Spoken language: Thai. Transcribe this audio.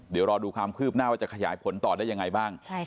เดี๋ยวรอดูความคืบหน้าว่าจะขยายผลต่อได้ยังไงบ้าง